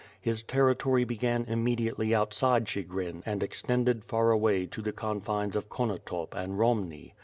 His territory began immediately outside Chigrin and extended far away to the confines of Konotop and Komni.